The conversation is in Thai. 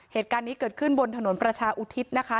เหตุการณ์นี้เกิดขึ้นบนถนนประชาอุทิศนะคะ